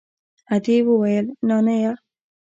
ادې وويل نانيه.